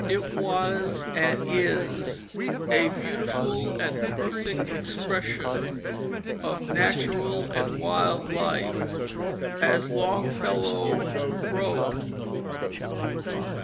It was and is a beautiful and perfect expression of natural and wild life; as Longfellow wrote